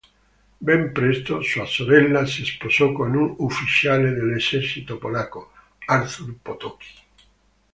Ben presto sua sorella si sposò con un ufficiale dell'esercito polacco, Arthur Potocki.